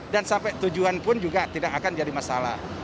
dan sampai tujuan pun juga tidak akan jadi masalah